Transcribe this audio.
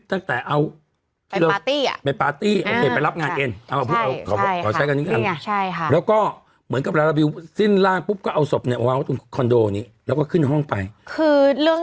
ตั้งแต่เอาไปพาร์ตี้เอาเด็กไปรับงานเอง